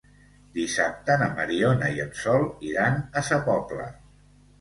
Dissabte na Mariona i en Sol iran a Sa Pobla.